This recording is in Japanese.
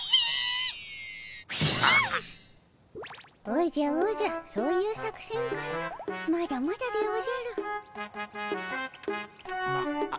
おじゃおじゃそういう作戦かのまだまだでおじゃる。